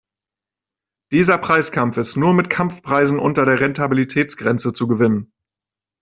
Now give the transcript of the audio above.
Dieser Preiskampf ist nur mit Kampfpreisen unter der Rentabilitätsgrenze zu gewinnen.